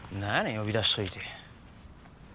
呼び出しといて。